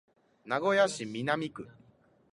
名古屋市南区